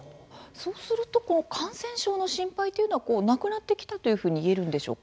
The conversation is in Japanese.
そうするとこの感染症の心配というのはなくなってきたというふうにいえるんでしょうか？